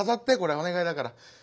お願いだから。